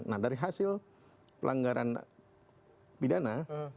nah dari hasil pelanggaran pidana